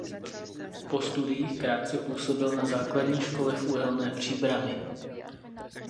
Po studiích krátce působil na základní škole v Uhelné Příbrami.